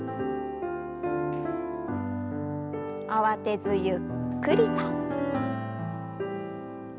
慌てずゆっくりと。